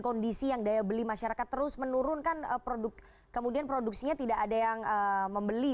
kondisi yang daya beli masyarakat terus menurunkan produk kemudian produksinya tidak ada yang membeli